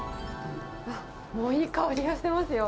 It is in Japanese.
もういい香りがしてますよ。